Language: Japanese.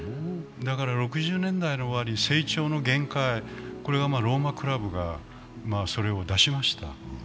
だから６０年代の終わり、これはローマクラブがそれを出しました。